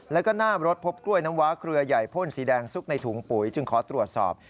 แล้วก็หน้ารถพบกล้วยน้ำว้าเครือใหญ่พ่นสีแดงซุกในถุงปุ๋ยจึงขอตรวจสอบ